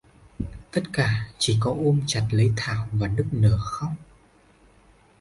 tất cả chỉ có ôm chặt lấy thảo và nức nở khóc